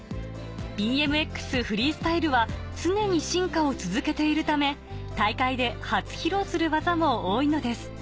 フリースタイルは常に進化を続けているため大会で初披露する技も多いのです